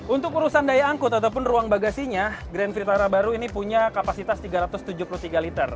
untuk urusan daya angkut ataupun ruang bagasinya grand pritara baru ini punya kapasitas tiga ratus tujuh puluh tiga liter